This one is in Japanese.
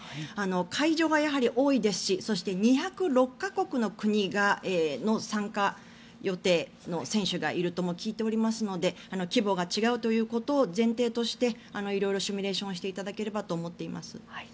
会場がやはり多いですし２０６か国の国の参加予定の選手がいるとも聞いておりますので規模が違うということを前提として色々シミュレーションをしていただければと思っています。